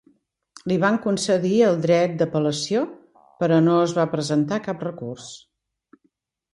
Li van concedir el dret d'apel·lació, però no es va presentar cap recurs.